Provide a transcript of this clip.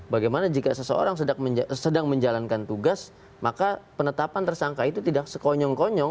bagaimana jika seseorang sedang menjalankan tugas maka penetapan tersangka itu tidak sekonyong konyong